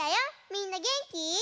みんなげんき？